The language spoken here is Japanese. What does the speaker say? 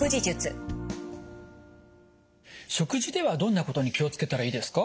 食事ではどんなことに気を付けたらいいですか？